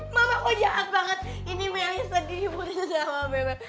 mama kok jahat banget ini melih sedih putus sama bebe